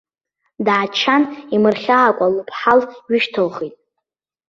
Дааччан, имырхьаакәа лыԥҳал ҩышьҭылхит.